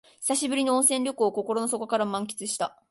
久しぶりの温泉旅行を心の底から満喫した